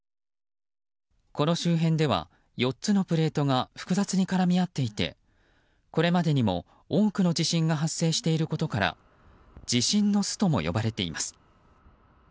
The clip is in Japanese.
この周辺では４つのプレートが複雑に絡み合っていてこれまでにも多くの地震が発生していることから地震の巣とも呼ばれています。